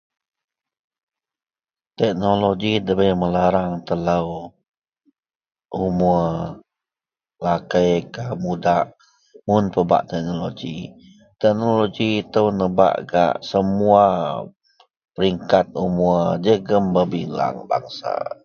Teknologi debei melareng telou, umur lakei kah mudak, mun pebak teknologi, teknologi itou nebak gak semua peringkat umur jegem berbilang bangsa.